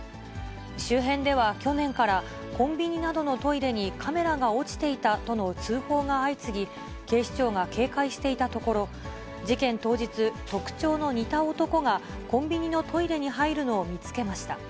周辺では去年から、コンビニなどのトイレにカメラが落ちていたとの通報が相次ぎ、警視庁が警戒していたところ、事件当日、特徴の似た男がコンビニのトイレに入るのを見つけました。